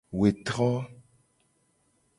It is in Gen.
Wetro.